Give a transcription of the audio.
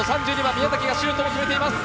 宮崎がシュートを決めています。